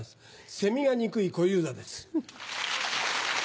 セミが憎い小遊三です。